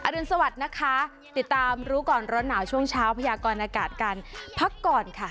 รุนสวัสดิ์นะคะติดตามรู้ก่อนร้อนหนาวช่วงเช้าพยากรอากาศกันพักก่อนค่ะ